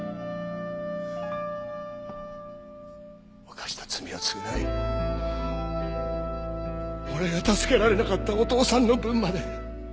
犯した罪を償い俺が助けられなかったお父さんの分まで。